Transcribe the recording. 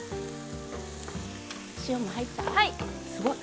塩も入った？